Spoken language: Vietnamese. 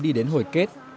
đi đến hồi kết